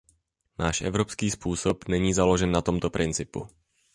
Náš evropský způsob není založen na tomto principu.